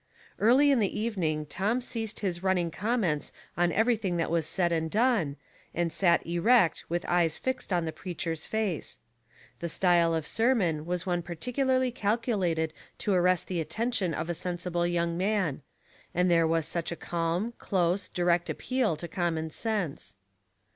Early in the evening Tom ceased his running comments on everything that was said and done, and sat erect with eyes fixed on the preacher's face. The style of sermon was one particularly calcu lated to arrest the attention of a sensible young man, there was such a calm, close, direct appeal to common sense.